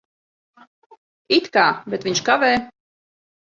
It kā. Bet viņš kavē.